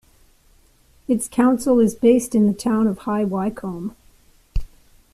Its council is based in the town of High Wycombe.